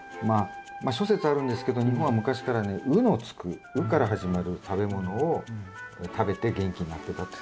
まあ諸説あるんですけど日本は昔からね「う」のつく「う」から始まる食べ物を食べて元気になってたっていう。